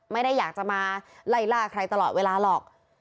ไม่ได้อยากจะมาไล่ล่าใครตลอดเวลาหรอก